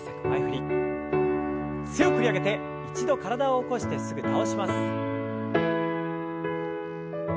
強く振り上げて一度体を起こしてすぐ倒します。